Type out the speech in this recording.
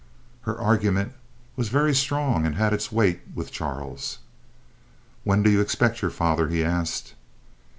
Her argument was very strong and had its weight with Charles. "When do you expect your father?" he asked.